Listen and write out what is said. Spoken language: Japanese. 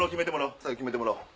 決めてもらおう。